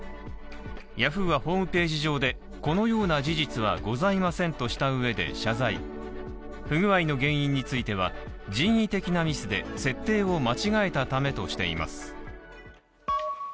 Ｙａｈｏｏはホームページ上でこのような事実はございませんとした上で謝罪不具合の原因については、人為的なミスで設定を間違えたためとしています。